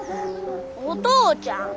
お父ちゃん。